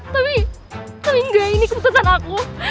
tapi paling enggak ini keputusan aku